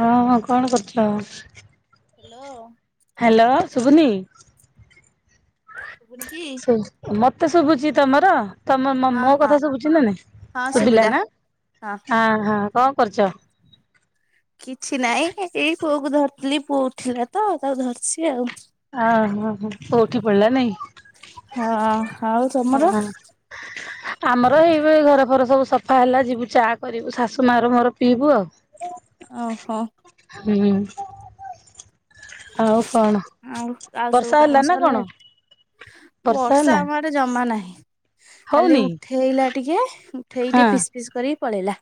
ହଁ ହଁ କଣ କରୁଥିଲ? ହାଲୋ। ହାଲୋ ଶୁଭୁନି? ସୁବୁନି କି? ମତେ ଶୁଭୁଛି ତମର। ତମ ମ ହଁ ମ ହଁ କଥା ଶୁଭୁଛି ନାଇଁ ଶୁଭିଲା ନା ହଁ। ଆଁ ହାଁ କଁ କରୁଛ? କିଛି ନାଇଁ ଏଇ ପୁଅ କୁ ଧର୍ ଥିଲି ପୁଅ ଉଠିଲା ତ ତାକୁ ଧର୍ ଛି ଆଉ। ଆ ହା ହା ପୁଅ ଉଠି ପଡ୍‌ଲା ନାଇଁ? ହଁ ଆଉ ହାଁ ତମର? ହାଁ ଆମର ଏଇବେ ଘର ଫର ସବୁ ସଫ୍ ଅ ହେଲା ଯିବୁ ଚା କରିବୁ ଶାଶୁ ମାର ମୋର ପିଇବୁ ଆଉ। ଅ ହ। ହୁଁ ହୁଁ। ଆଉ କଣ ଆଉ ଆଉ ବର୍ଷା ହେଲା ନାଁ କଣ? ବର୍ଷା ୱର୍ଷା ହେଲା? ଆମ ଆଡେ ଜମା ନାହିଁ। ଖାଲି ହଉନି ଉଠେଇଲା ଟିକେ ଉଠେଇ ହଁ ଟିକେ ପିସ୍ ପିସ୍ କରି ପଳେଇଲା।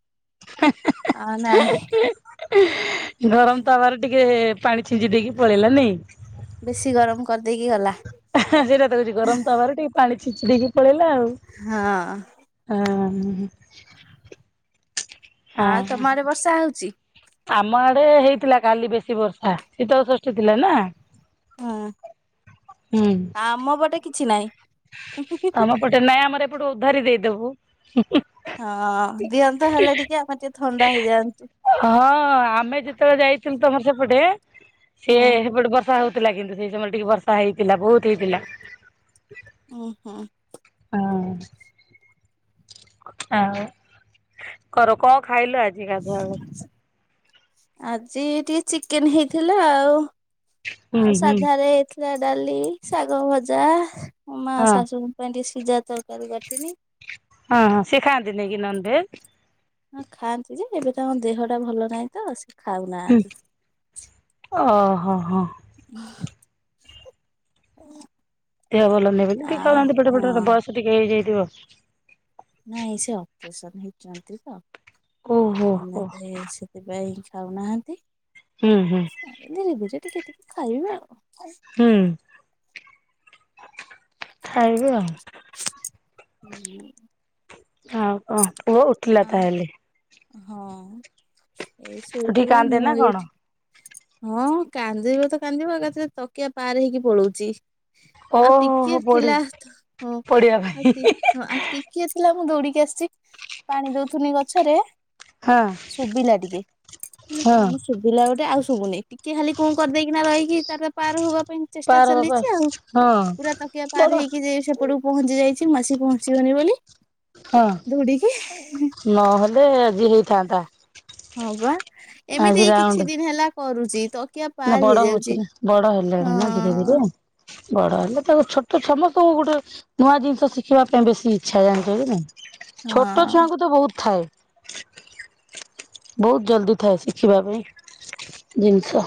ଆ ନାହିଁ। ଇହ୍ ଗରମ ତାୱାରେ ଟିକେ ପାଣି ଛିଞ୍ଚି ଦେଇକି ପଳେଇଲା ନାଇଁ? ବେଶୀ ଗରମ କରିଦେଇକି ଗଲା। ହେଁ ସେଇଟା ତ କହୁଛି ଗରମ ତାୱାରେ ଟିକେ ପାଣି ଛିଞ୍ଚି ଦେଇକି ପଳେଇଲା ଆଉ। ହଁ। ଆ ହାଁ ହାଁ। ଆ ଆଉ ଆହା। ତମ ଆଡେ ବର୍ଷା ହଉଛି? ଆମ ଆଡେ ହେଇଥିଲା କାଲି ବେଶୀ ବର୍ଷା ଶୀତଳ ଷଷ୍ଠୀ ଥିଲା ନାଁ। ହୁଁ ଆମ ପଟେ କିଛି ନାଇଁ। ଆମ ପଟେ ନାଇଁ ଆମର ଏପଟେ ଉଦ୍ଧାରି ଦେଇଦବୁ। ହଁ ଦିଅନ୍ତ ହେଲେ ଟିକେ ଆମର ଟିକେ ଥଣ୍ଡା ହେଇଯାଆନ୍ତୁ। ହଁ ଆମେ ଯେତେବେଳେ ଯାଇଥିଲୁ ତମର ସେପଟେ ସିଏ ହୁଁ ସେପଟେ ବର୍ଷା ହଉ ଥିଲା କିନ୍ତୁ ସେଇ ସମୟରେ ଟିକେ ବର୍ଷା ହେଇଥିଲା ବହୁତ ହେଇଥିଲା। ହୁଁ ହୁଁ। ହଁ। ଆଉ କର କଣ ଖାଇଲ ଆଜି ଗାଧୁଆ ବେଳେ? ଆଜି ଟିକେ ଚିକେନ ହେଇଥିଲା ଆଉ ହୁଁ ଆଉ ହୁଁ ସାଧାରେ ଯା ଡାଲି ଶାଗ ଭଜା ମା ହଁ ଶାଶୁଙ୍କ ପାଇଁ ଟିକେ ସିଜା ତରକାରୀ ବାଟିଲି। ହଁ ହଁ ସେ ଖାଆନ୍ତ ନେଇକି ନନ୍ ଭେଜ୍‌? ହଁ ଖାଆନ୍ତି ଯେ ଏବେ ତାଙ୍କ ଦେହଟା ଭଲ ନାହିଁ ତ ସେ ଖାଉ ନାହାନ୍ତି। ଅ ହ ହଁ। ହୁଁ ଦେହ ଭଲ ନାହିଁ ବୋଲି ଟିକେ ଆଉ ଖାଉନାହାନ୍ତି ପେଟ ହଁ। ଫେଟ ବସ ଟିକେ ହେଇଯାଇଥିବ। ନାଇଁ ସେ ଅପରେସନ ହେଇଛନ୍ତି ତ ଓହୋ ମନା ହୋ କଲେ ଏ ଇ ସବ୍ ଥିପାଇଁ ଖାଉନାହାନ୍ତି। ହୁଁ ହୁଁ। ଦେବୁ ଯେ ଟିକେ ଟିକେ ଖାଇବେ ଆଉ। ହୁଁ। ଖାଇବୁ ଆଉ। ହୁଁ। ହଉ କ ପୁଅ ଉଠିଲା ଆଉ ତାହେଲେ। ହଁ ଏଇ ଉଠିକି ଶୋଇଥିଲା କାନ୍ଦେ ମୁଁ ନା ଏଇ କଣ? ଉଠି। ହଁ କାନ୍ଦିବ ତ କାନ୍ଦିବ ଏକାଥରେ ତକିଆ ପାର ହେଇକି ପଳଉଚି। ଓହୋ ଆଉ ହୋ ଟିକିଏ ପଡି ଥିଲା ତ ହଁ ପଡିବା ଆଉ ପାଇଁ ଟି ଟିକିଏ ଥିଲା ମୁଁ ଦୌଡିକି ଆସିଛି ପାଣି ଦଉଥୁଲି ଗଛରେ। ହଁ ଶୁଭିଲା ଟିକେ ମୁଁ କଇଲି ହଁ। କଣ ଶୁ ଶୁଭିଲା ଗୋଟେ ଆଉ ସବୁନି ଟିକେ ଖାଲି କୁ କରିଦେଇକିନା ରହିକି ତାର ପାର ହବା ପାଇଁ ଚେଷ୍ଟା ପାର ବାବା ଚାଲଇଚି ଆଉ ହଁ ପୁରା ତକିଆ ପାର ବଡ ହେଇକି ଯ ସେପଟକୁ ପହଞ୍ଚି ଯାଇଛି ମୁଁ କି ପହଞ୍ଚିବନି ବୋଲି। ହଁ ଦୌଡିକି ନହେଲେ ଆଜି ହେଇଥାନ୍ତା। ହଁ ବା ଏମିତି ଆଜି ଏଇ ରାଉଣ୍ଡ କିଛି ଦିନ ହେଲା କରୁଛି ତକିଆ ନା ପାର ବଡ ହଉଛି ହେଇଯାଉଛି। ନା ବଡ ହେଲାଣି ନା ଧୀରେ ଧିରେ ହଁ ବଡ ହେଲେ ତାକୁ ଛୋଟ ସମସ୍ତଙ୍କୁ ଗୋଟେ ନୂଆ ଜିନିଷ ଶିଖିବା ପାଇଁ ବେଶୀ ଇଛା ଜାଣିଛ କି ନାଇଁ ଛୋଟ ହଁ ଛୁଆଙ୍କୁ ତ ବହୁତ ଥାଏ। ବହୁତ ଜଲଦି ଥାଏ ଶିଖିବା ପାଇଁ ଜିନିଷ।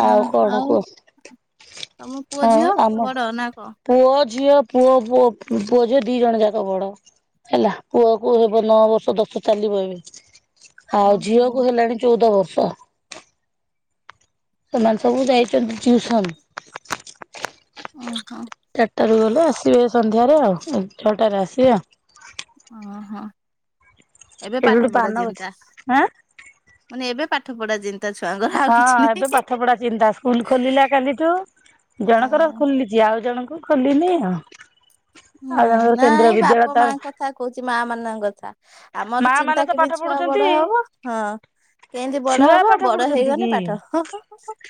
ନା ଆଉ କଣ ଆଉ କୁହ ତମ ପୁଅ ଆଉ ଝିଅ ଆମ ବଡ ନା କ? ପୁଅ ଝିଅ ପୁଅ ପୁଅ ଝିଅ ଦି ଜଣ ଯାକ ବଡ। ହେଲା ପୁଅ କୁ ହେବ ନଅ ବର୍ଷ ଦଶ ଚାଲିବ ଏବେ। ଆଉ ଝିଅ ଓହୋ କୁ ହେଲାଣି ଚଉଦ ବର୍ଷ। ସେମାନେ ସବୁ ଯାଇଛନ୍ତି ଟିଉସନ୍। ଓହୋ। ଚାରିଟା ରୁ ଗଲେ ଆସିବେ ସନ୍ଧ୍ୟାରେ ଆଉ ଛଅଟାରେ ଆସିବେ ଆଉ। ଓହୋ ଏବେ ଏଠି ଗୋଟେ ପାଠ ପାନ ପଢା ଗଛ ଚିନ୍ତା। ଆଁ ମାନେ ଏବେ ପାଠ ପଢା ଚି ତା ଛୁଆଙ୍କର ଆଉ ହଁ କିଛି ଏବେ ନାହିଁ। ପାଠ ପଢା ଚିନ୍ତା ସ୍କୁଲ ଖୋଲିଲା କାଲିଠୁ ଜଣଙ୍କର ହଁ ଖୋଲି ଯିଏ ଆଉ ଜଣଙ୍କୁ ଖୋଲିନି ଆଉ ଆଉ ହଁ ଜଣଙ୍କର କେନ୍ଦ୍ରୀୟ ନାଇଁ ବାପା ବିଦ୍ୟାଳୟ ତାର ମାଙ୍କ କଥା କହୁଛି ମା ମାନଙ୍କ କଥା ଆମର ମା ମାନେ ଚିନ୍ତା ତ ପାଠ କେମିତି ଛୁଆ ପଢୁଛନ୍ତି ବଡ ହବ ହଁ କେମିତି ବଡ ଛୁଆ ହବ ପାଠ ବଡ ପଢୁଛନ୍ତି ହେଇଗଲେ କି? ପାଠ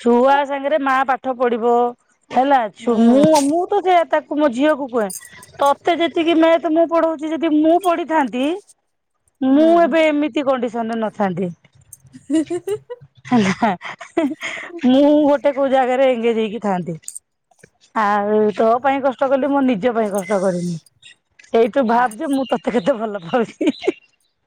ଛୁଆ ସାଙ୍ଗରେ ମା ପାଠ ପଢିବ ହେଲା ଛୁ ହୁଁ। ମୁ ମୁଁ ତାକୁ ମୋ ଝିଅକୁୁ କୁହେ ତତେ ଯେତିକି ମ୍ୟାଥ ମୁଁ ପଢଉଛି ଯଦି ମୁଁ ପଢିଥାନ୍ତି ମୁଁ ହୁଁ। ଏବେ ଏମିତି କଣ୍ଡିସନରେ ନଥାନ୍ତି। [unintelligible] ମୁଁ ଗୋଟେ କୋଉ ଜାଗାରେ ଏଙ୍ଗେଜ ହେଇକି ଥାଆନ୍ତି। ଆଉ ତୋ ପାଇଁ କଷ୍ଟ କଲି ମୁଁ ନି ନିଜ ପାଇଁ କଷ୍ଟ କରିନି ସେଇଠୁ ଆ ଭାବ ଯେ ମୁଁ ତତେ କେତେ ଭଲ ପାଉଚି।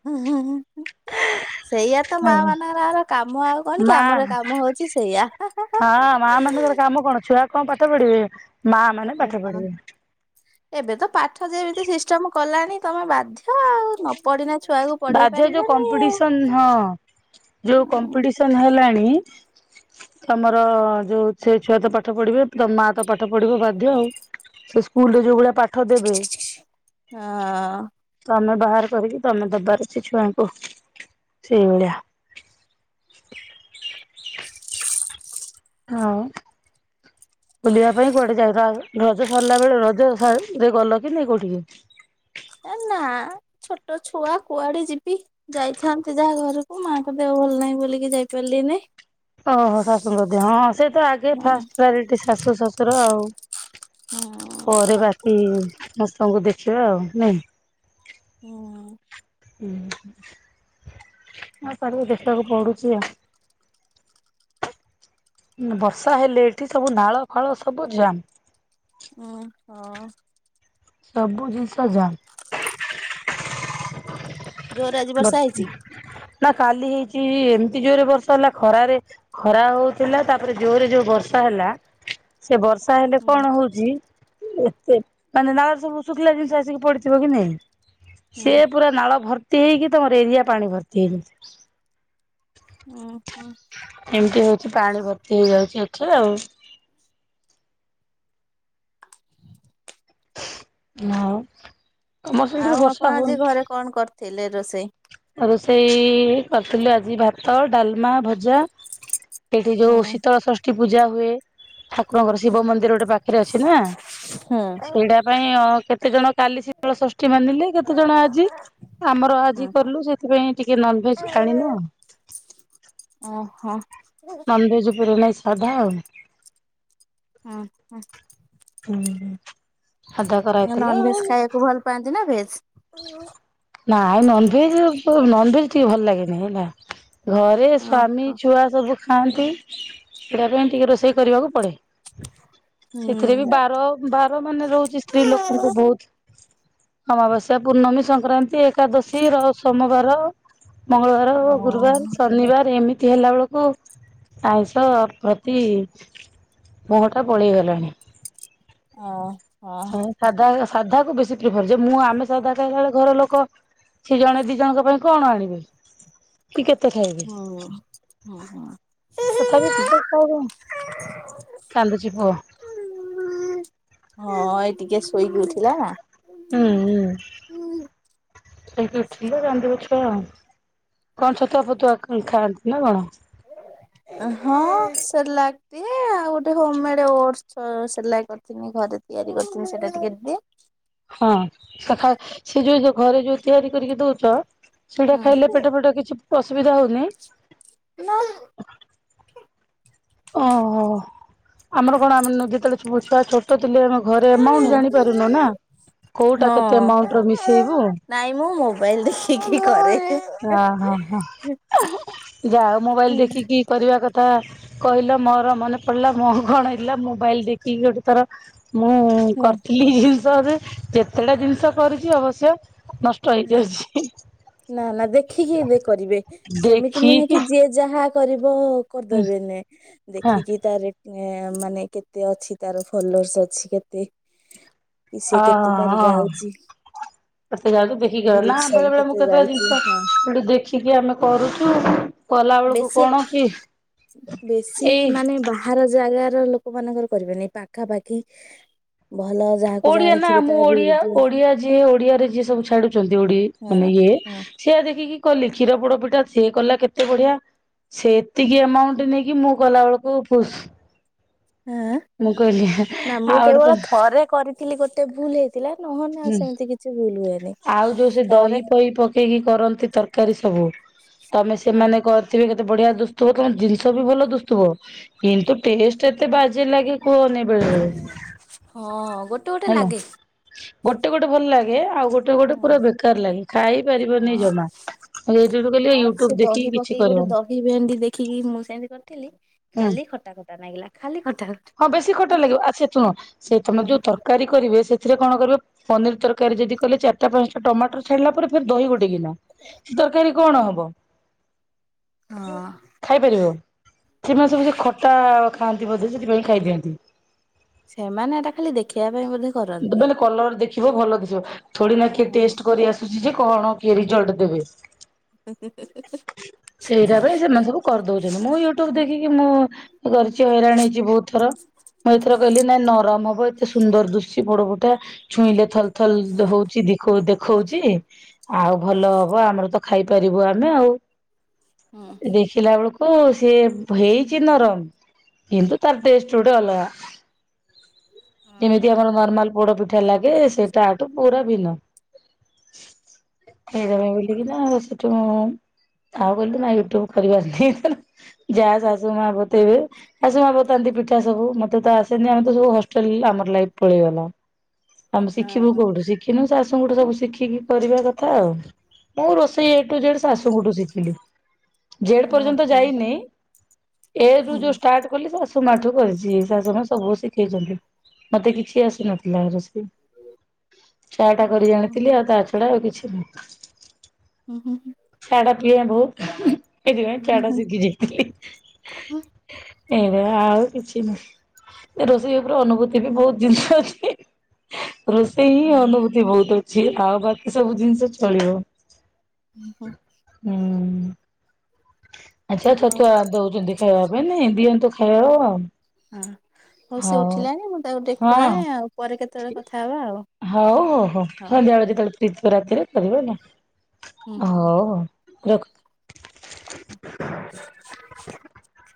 ହୁଁ ହୁଁ ହୁଁ। [unintelligible] ସେଇୟା ତ ମା ମାନଙ୍କରର କାମ ଆଉ କଣ କି ମା ଆମର କାମ ହଉଛି ସେଇଆ ହା ହା। ହଁ ମା ମାନଙ୍କର କା ମ କଣ ଛୁଆ କ ପାଠ ପଢିବେ? ମା ମାନେ ପାଠ ପଢିବେ [unintelligible] ଏବେ ତ ପାଠ ଯେମିତି ସିଷ୍ଟମ କଲାଣି ତମେ ବାଧ୍ୟ୍ୟ ଆଉ ନ ପଢ଼ିଲେ ବାଧ୍ୟ୍ୟ ଯୋଉ କମ୍ପିଡିସନ୍ ହଁ ଯୋଉ କମ୍ପିଡି ଉଛନ ହେଲାଣି ତମର ଯୋଉ ସେ ଛୁଆ ତ ପାଠ ପଢିବେ ତ ମା ତ ପାଠ ପଢିବ ବାଧ୍ୟ୍ୟ ଆଉ ସେ ସ୍କୁଲ୍ ରେ ଯୋଉ ଭଳିଆ ପା ଠ ଦେବେ ହଁ। ତମେ ବାହାର କରିକି ତମେ ଦବା ବେଶି ଛୁଆଙ୍କୁ ସେଇ ଭଳିଆ ହଁଉ ବୁଲିବା ପାଇଁ କୁଆଡେ ଯାଇ ର ରଜ ସରିଲା ବେଳେ ରଜ ସ ଗଲ କି ନାଇ କୋଉଠିକି? ଏ ନା ଛୋଟ ଛୁଆ କୁଆଡେ ଯିବି। ଯାଇଥାନ୍ତି ଯାହା ଘରକୁ ମାଙ୍କ ଦେହ ଭଲ ନାହିଁ ବୋଲିକି ଯାଇପାରିଲିନେହିଁ। ଓହୋ ଶାଶୁ ଙ୍କ ଦେହ ହଁ ସେ ତ ଆଗେ ହଁ ଫାଷ୍ଟ୍ ପ୍ରାୟରିଟି ଶାଶୁ ଶଶୁର ଆଉ। ହୁଁ। ପରେ ବାକି ସମସ୍ତଙ୍କୁ ଦେଖିବା ଆଉ ନାଇଁ? ହୁଁ। ହଁ ହଁ ସାରିକ ଦେଖିବାକୁ ପଡୁଛି ଆଉ ବର୍ଷା ହେଲେ ଏଠି ସବୁ ନାଳ ଫାଳ ସବୁ ଜାମ୍। ହୁଁ ହଁ। ସବୁଜିନିଷ ଯାମ୍। [inaudible] ବର୍ଷା ବସି ହେଇଛି? ନା କାଲି ହେଇଛି ଏମିତି ଜୋରେ ବର୍ଷା ହେଲା ଖରାରେ ଖରା ହଉଥିଲା ତାପରେ ଜୋରେ ଯଉ ବର୍ଷା ହେଲା ସେ ବର୍ଷା ହେଲେ ହୁଁ କଣ ହଉଛି ଏତେ ମାନେ ନାଳରେ ସବୁ ଶୁଖିଲା ଜିନିଷ ଆସିକି ପଡିଥିବ କି ନାଇ ହୁଁ ସେ ପୁରା ନାଳ ଭର୍ତି ହେଇକି ତମର ଏରିଆ ପାଣି ଭର୍ତ୍ତି [unintelligible] ଉଁ ହୁଁ। ଏମିତି ହଉଛି ପାଣି ଭର୍ତ୍ତି ହେଇଯାଉଛି ଏଠି ରେ ଆଉ। [inaudible] ନାଉ। ଆଉ ଆପଣ ଆଜି ଘରେ କଣ କରିଥିଲେ ରୋଷେଇ? ଆ ରୋଷେଇ କରିଥିଲୁ ଆଜି ଭାତ, ଡାଲମା, ଭଜା ଏଠି ଯୋଉ ହୁଁ ଶୀତଳ ଷଷ୍ଠୀ ପୂଜା ହୁଏ ଠା ଆପଣଙ୍କର ଶିବ ମନ୍ଦିର ଗୋଟେ ପାଖରେ ଅଛି ନା ହୁଁ ସେଇଟା ପାଇଁ ଅ କେତେ ଜଣ କାଲି ଶିତଳ ଷଷ୍ଠୀ ମାନିଲେ କେତେ ଜଣ ଆଜି ଆମର ଆଜି ହୁଁ ଲୁ ସେଥିପାଇଁ ଟିକେ ନନଭେଜ୍ ଆଣିନୁ। ଓହୋ। ନନଭେଜ୍ ପୁରା ନାଇଁ ସାଧା ଆଉ? ଓ ହ ସାଧା କରାହେଇଥିଲା ନନ୍ ଆଉ। ଭେଜ୍ ଖାଇବାକୁ ଭଲ ପାନ୍ତି ନା ଭେଜ୍? [inaudible] ନାଇ ନନ୍ ଭେଜ୍ କୁ ନନ୍ ଭେଜ୍ ଟିକେ ଭଲ ଲାଗେନି ହେଲା? ଘରେ ସ୍ଵାମୀ ଓହୋ ଛୁଆ ସବୁ ଖାଆନ୍ତି ସେଟା ପାଇଁ ଟିକେ ରୋଷେଇ କରିବାକୁ ପଡ଼େ ସେଥିରେ ବି ହୁଁ ବାର ବାର ମାନେ ରହୁଛି ସ୍ତ୍ରୀ ଲୋକଙ୍କୁ ବହୁତ୍ ଅମାବାସି ପୂର୍ଣ୍ଣମୀ ସଂକ୍ରାନ୍ତି ଏକାଦଶୀ ର ସୋମବାର, ମଙ୍ଗଳବାର ଓ ଗୁରୁବାର୍ ସ ନିରୋଳାରେ ଏମିତି ହେଲା ବେଳକୁ ଆଇଁଷ ପ୍ରତି ମୁହଁଟା ବଳିଗଲାଣି ଆଉ ହ ସାଧା ସାଧା କୁ ବେଶୀ ପ୍ରିଅର ଯେ ମୁଁ ଆମିସ ସାଧା ଖାଇଲା ବେଳେ କୁ ଘର ଲୋକ ସେ ଜଣେ ଦି ଜଣଙ୍କ ପାଇଁ କଣ ଆଣିବେ? କି କେତେ ଖାଇବେ ହୁଁ ହୁଁ ତଥାପି କାନ୍ଦୁଛି ପୁଅ। ହଁ ଏଇ ଟିକେ ଶୋଇକି ଉଠିଲା ଆ ହୁଁ, ଉ ସୋଇକି ଉଠିଲେ ରନ୍ଦୀବେ ଛୁଆ ଆଉ। କଣ ଛତୁଆ ଫତୁଆ ଖାଆନ୍ତି ନା କଣ? ହଁ, ସେର୍ଲାକ ତି ଆଉ ଗୋଟେ ହୋମ୍ ମେଡ୍ ଓଡସ ସେରଲାକ୍ କରିଥିଲି ଘରେ ତିଆରି କରିଥିଲି ସେଇଟା ଟିକେ ଦିଏ। ହଁ ସକାଳ ସେ ଯୋଉ ଯୋଉ ଘରେ ଯୋଉ ତିଆରି କରିକି ଦଉଛ ସେଇଟା ହଁ ଖାଇଲେ ପେଟ ଫେଟ କିଛି ଅସୁବିଧା ହଉନି? ନାଁ ଓହୋ ଆମର କଣ ଆମେ ଆଣିନୁକି ଯେତେବେଳେ ଛୁଆ ଛୋଟ ଥିଲେ ଆମେ ଘରେ ଆମାଉଣ୍ଟ ଜାଣି ପାରୁନ ନା କୋଉଟା କେତେ ହଁ। ଏମାଉଣ୍ଟ ର ମିଶେଇବୁ ନାଇଁ ମୁଁ ମୋବାଇଲ ଦେଖିକି କରେ। ଓହ ହ ଯା ହଉ ମୋବାଇଲ ଦେଖିକି କରିବା କଥା କହିଲା ମୋର ମନେ ପଡିଲା ମୋ କଣ ହେଲା ମୋବାଇଲ ଦେଖିକି ଗୋଟେ ଥର ମୁଁ ନା କରିଥିଲି ଜିନିଷ ଯେ କେତେଟା ଜିନିଷ କରିଛି ଅବଶ୍ୟ ନଷ ହଁ ନା ନା ଦେଖିକି କରିବେ ସେମିତି ନୁହେଁ ଦେଖିକି କି ହଁ ଯିଏ ଯାହା କରିବ କରିଦେବେ ନି ଦେଖିକି ତାରେ ଏ ମାନେ କେତେ ଅଛି ତାର ଫଲର୍ସ ଅଛି କେତେ? ସେ କେତେତାର ହଁ। ଯାଉଚି? କେତେ ଯଲଦି ଦେଖିକି ନା ବେଳେ ସବୁ ବେଳେ ମୁଁ କେତେ ଯାଉଛି ହଁ ଜିନିଷ ଦେଖି ଟିକେ ଆମେ କରୁଚୁ କଲା ବେଳକୁ ବେଶୀ କଣ କି ବେଶୀ ଏଇ ମାନେ ବାହାର ଜାଗାର ଲୋକ ମାନଙ୍କର କରିବେନି ପାଖାପାଖି ଭଲ ଯାହାକୁ ଓଡିଆ ନା ଜାଣିଥିବେ ମୁଁ ତା ଓଡିଆ ଭିଡିଓ ଓଡିଆ ଯିଏ ଓଡିଆରେ ଯିଏ ସବୁ ଛାଡୁଛନ୍ତି ଓଡି ହଁ ମାନେ ଇଏ ହଁ ସେଆ ଦେଖିକି କଲି କ୍ଷୀର ପୋଡ ପିଠା ସିଏ କଲା କେତେ ବଢିଆ ସେ ଏତିକି ଏମାଉଣ୍ଟ ନେଇକି ମୁଁ କଲାବେେଳକୁ ଫୁଶ୍। ହୁଁ, ନା ମୁଁ ଆଉ କେବଳ ଗୋଟେ ତ ଥରେ କରି ଥିଲି ଗୋଟେ ଭୁଲ ହେଇଥିଲା ନହେଲେ ହୁଁ ସେମିତି କିଛି ଭୁଲ ହୁଏନି ଥରେ ଇଏ ହି କରନ୍ତି ତରକାରୀ ସବୁ ତମେ ସେମାନେ କେତେ ବଢିଆ ଦୁସୁଥିବ ତମ ଜିନିଷ ବି ଭଲ ଦୁସୁଥିବ କିନ୍ତୁ ଟେଷ୍ଟ ଏତେ ବାଜେ ଲାଗେ କୁହନି ବେଳେବେଳେ ହଁ ଗୋଟେ ଗୋଟେ ହେଲା ଲାଗେ ଗୋଟେ ଗୋଟେ ଭଲ ଲାଗେ ଆଉ ଗୋ ଗଟେ ଗୋଟେ ହଁ। ପୁରା ବେକାର ଲାଗେ ଖାଇ ପାରିବନି ହଁ ଜମା କହିଲେ ହଁ ୟୁଟୁବ ସେ ଦେଖିକି ଦହି କିଛି ପକେଇକି ଗୋଟେ କରିବନି। ଦହି ଭେଣ୍ଡି ଦେଖିକି ମୁଁ ଏମତି କରିଥିଲି ହୁଁ ଖାଲି ଖଟା ଖଟା ଲାଗିଲା ଖାଲି ଖଟା। ହଁ, ବେଶୀ ଖଟା ଲାଗିବ ଆ ସେ ଶୁଣ ସେ ତମେ ଖଟା ଯୋଉ ତର ତରକାରୀ କରିବେ ସେଥିରେ କଣ କରିବେ ପନିର ତରକାରୀ ଯଦି କଲେ ଚାରିଟା ପାଞ୍ଚଟା ଟମାଟର ଛାଡ଼ିଲା ପରେ ଫେରେ ଦହି ଗୋଟେ ଗିନ ସେ ତରକାରୀ କଣ ହବ? ହଁ ଖାଇପାରିବ ସେମାନେ ସବୁ ସେ ଖଟା ଖାଆନ୍ତି ବୋଧେ ସେଥିପାଇଁ ଖାଇ ଦିଅନ୍ତି। ସେମାନେ ଏଟା ଖାଲି ଦେଖେଇବା ପାଇଁ ବୋଧେ ମତେ କରନ୍ତି। କହିଲେ କଲର ଦେଖିବ ଭଲ ଦିଶିବ ଥୋଡି ନା କେ ଟେଷ୍ଟ କରିଆସ ଯେ କଣ କିଏ ରିଜଲଟ ଦେବେ ସେଇଟା ପାଇଁ ସେମାନପୁରୁ କରିଦଉଛି ମୁଁ ୟୁଟ୍ୟୁବ ଦେଖିକି ମୁଁ କରିଛି ହଇରାଣ ହେଇଚି ବହୁତ ଥର। ମୁଁ ଏଥର କହିଲି ନାଇଁ ନରମ ହବ ଏତେ ସୁନ୍ଦର ଦୁସୁଚି ପୋଡ ପିଠା, ଟା ଛୁଇଁଲେ ଥଲଥଲ ହଉଛି ଦେଖୋଉଛି। ଆଉ ଭଲ ହବ। ଆମର ତ ଖାଇପାରିବୁ ଆମେ ଆଉ ହୁଁ ଦିସ୍ [inaudible] ଦେଖିଲା ବେଳକୁ ସିଏ ହେଇଛି ନରମ କିନ୍ତୁ ତାର ଟେଷ୍ଟ୍ ଗୋଟେ ଅଲଗା। ଯଉ ଆମର ନର୍ମାଲ ପୋଡ଼ ପିଠା ଲାଗେ ସେ ତାଠୁ ପୁରା ଭିନ୍ନ। ସେଇ ଓହୋ ଦିନ ବୁଲିକିନା ସେଠୁ ତାହା କହିଲୁ ନା ୟୁଟୁବ କରିବା ନାଇଁ [inaudible] ଯାହା ଶାଶୁ ମା, ବୋତେଇବେ। ଶାଶୁ ମା ବତାନ୍ତି ପିଠା, ସବୁ ମତେ ତ ଆସେନି ଆମେ ତ ସବୁ ହଷ୍ଟେଲ ଆମର ଲାଇଫ୍। ପଳେଇଗଲା ଆମେ ଶିଖିବୁ କୋଉଠୁ ଶିଖିନୁ ଶାଶୁଙ୍କଠୁ ସବୁ ଶିଖିକି କରିବା କଥା। ଥା ଆଉ ମୁଁ ରୋଷେଇ ଏଠୁ ଜେଡ୍ ଶାଶୁଙ୍କଠୁ ଶିଖିଲି। ଜେଡ୍ ପର୍ଯ୍ୟନ୍ତ ଯାଇନି ଏ ରୁ ଯୋଉ ଷ୍ଟାର୍ଟ କଲି, ମୁଁ ମାଠୁ କରିଛି ଶାଶୁ, ମା ସବୁ ଶିଖେଇଛନ୍ତି। ମତେ କିଛି ଆସିନଥିଲା ରୋଷେଇ ଚା ଟା କରି ଜାଣିଥିଲି ଆଉ ତା ଛଡ଼ା ଛଡ଼ା ଆଉ କିଛି ନାହିଁ। ହୁଁ ହୁଁ। [inaudible] ଚା ଟା ପ୍ରିୟ ବହୁତ ସେଥିପାଇଁ ଚା ଟା ଶିଖିଯାଇଛି। ଏବେ ଆଉ କିଛି ନାହିଁ ରୋଷେଇ ଉପରେ ଅନୁଭୂତି [inaudible] ଏ ବି ବହୁତ ଜିନିଷ ଅଛି ରୋଷେଇ ହିଁ ଅନୁଭୂତି [inaudible] ଏମିତି ବହୁତ ଅଛି ଆଉ ବାକି ସବୁ ଜିନିଷ ଚଳିବ। ହୁଁ, ଆଚ୍ଛା ଓହୋ ହଉ ଛତୁଆ ଦଉଛନ୍ତି ଖାଇବା ପାଇଁ ନାଇ ଦିଅନ୍ତୁ ଖାଇଦବ ଆଉ। [inaudible] ହଁ ହଉ ସେ ଉଠିଲାଣି ମୁଁ ତାକୁ ଟିକେ ହଁ ଖୁଆଏ ଆଉ ପରେ କେତେବେଳେ କଥା ହବା ଆଉ। ହଉ ହଉ ହଉ ହଉ ସନ୍ଧ୍ୟାବେଳେ ଯେତେବଳେ ଫ୍ରୀ ଥିବ ରାତିରେ କରିବ ହୁଁ ହେଲା ହଉ ହଉ। ରଖ [inaudible] ହ। [inaudible]